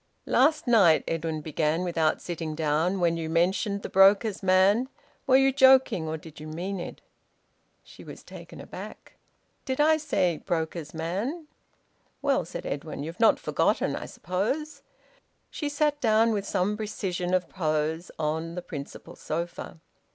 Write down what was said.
"Last night," Edwin began, without sitting down, "when you mentioned the broker's man, were you joking, or did you mean it?" She was taken aback. "Did I say `broker's man'?" "Well," said Edwin, "you've not forgotten, I suppose." She sat down, with some precision of pose, on the principal sofa.